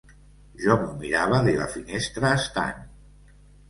Jo m'ho mirava de la finestra estant.